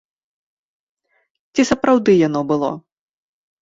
Ці сапраўды яно было?